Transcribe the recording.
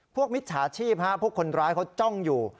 มิจฉาชีพพวกคนร้ายเขาจ้องอยู่